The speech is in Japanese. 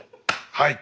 はい。